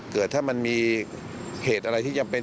เกิดถ้ามันมีเหตุอะไรที่จำเป็น